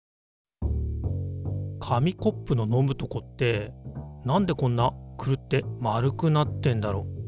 紙コップの飲むとこって何でこんなクルって丸くなってんだろう。